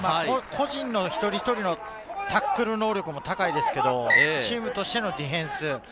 個人一人一人のタックル能力も高いですけれど、チームとしてのディフェンス。